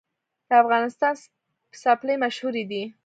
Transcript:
د افغانستان څپلۍ مشهورې دي